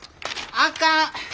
あかん。